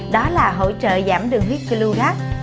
đó là hỗ trợ giảm đường huyết glu gac